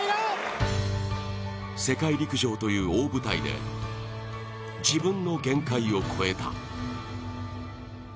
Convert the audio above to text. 世界陸上という大舞台で自分の限界を超えた。